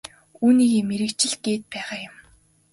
Үүнийгээ л мэргэжил гээд байгаа юм.